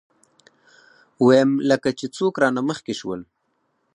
ويم لکه چې څوک رانه مخکې شول.